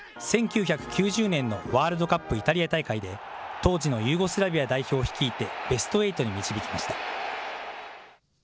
１９９０年のワールドカップイタリア大会で、当時のユーゴスラビア代表を率いて、ベスト８に導きました。